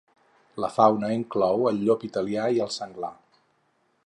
La fauna inclou el llop italià i el senglar.